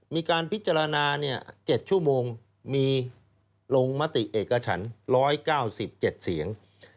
มีการพิจารณา๗ชั่วโมงมีลงมติเอกฉัน๑๙๗เสียง